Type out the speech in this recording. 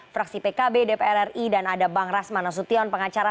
fraksi pkb dpr ri dan ada bang rasman nasution pengacara